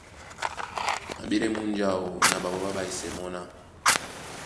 A ɓélɛ́ múnja áō na ɓaɓɔ́ ɓá ɓáísɛ́ mɔ́ ná: